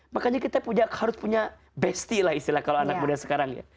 makanya kita harus punya besty lah istilah kalau anak muda sekarang ya